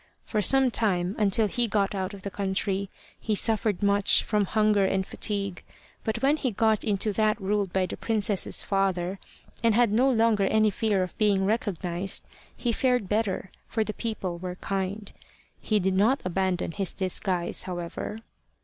For some time, until he got out of the country, he suffered much from hunger and fatigue; but when he got into that ruled by the princess's father, and had no longer any fear of being recognised, he fared better, for the people were kind. He did not abandon his disguise, however.